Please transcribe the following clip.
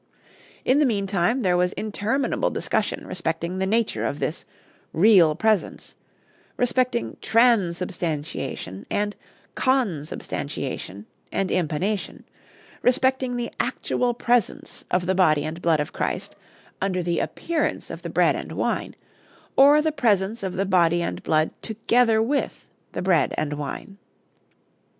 In the mean time there was interminable discussion respecting the nature of this "real presence," respecting _tran_substantiation and _con_substantiation and impanation, respecting the actual presence of the body and blood of Christ under the appearance of the bread and wine, or the presence of the body and blood together with the bread and wine.